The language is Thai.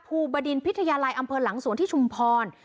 บดินพิทยาลัยอำเภอหลังสวนที่ชุมพร